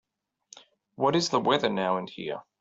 What is the weather now and here?